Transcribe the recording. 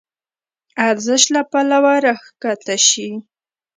ارزش له پلوه راکښته شي.